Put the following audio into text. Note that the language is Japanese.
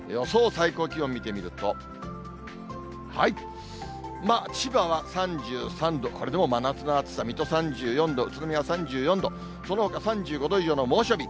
最高気温を見てみると、まあ、千葉は３３度、これでも真夏の暑さ、水戸３４度、宇都宮は３４度、そのほか、３５度以上の猛暑日。